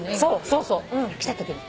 そうそう。来たときに。